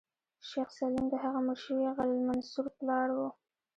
شیخ سلیم د هغه مړ شوي غل المنصور پلار و.